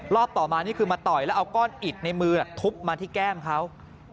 ต่อมานี่คือมาต่อยแล้วเอาก้อนอิดในมือทุบมาที่แก้มเขา